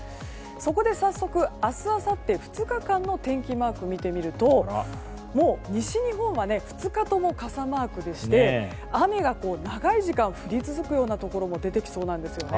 そこで早速明日あさって２日間の天気マークを見てみると西日本は２日とも傘マークで雨が長い時間、降り続くところも出てきそうです。